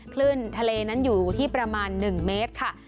คลื่นทะเลนั้นอยู่ที่ประมาณ๑เมตรค่ะ